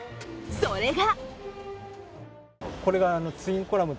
それが！